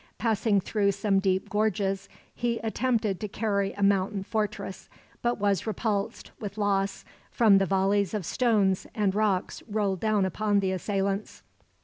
Passing through some deep gorges, he attempted to carry a mountain fortress; but was repulsed, with loss, from the volleys of stones and rocks rolled down upon the assailants.